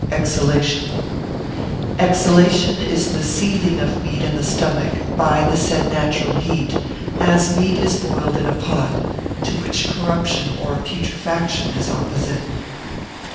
Elixation.] Elixation is the seething of meat in the stomach, by the said natural heat, as meat is boiled in a pot; to which corruption or putrefaction is opposite.